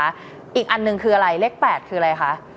อีกอันหนึ่งคืออะไรเลข๘คืออะไรคะ